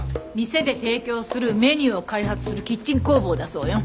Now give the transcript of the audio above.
店で提供するメニューを開発するキッチン工房だそうよ。